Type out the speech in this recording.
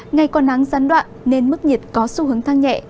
ngày còn nắng gián đoạn nên mức nhiệt có xu hướng tăng nhẹ